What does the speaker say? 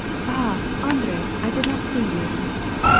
." Ah, Andrei, I did not see you